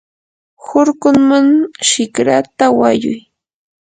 hurkunman shikrata wayuy.